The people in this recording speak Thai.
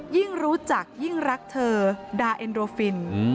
ยิ่งรู้จักยิ่งรักเธอดาเอ็นโดฟิน